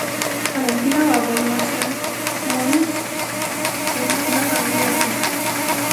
Valentina Babor nació en Múnich en una familia artística.